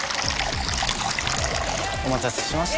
お待たせしました。